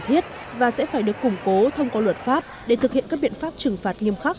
thiết và sẽ phải được củng cố thông qua luật pháp để thực hiện các biện pháp trừng phạt nghiêm khắc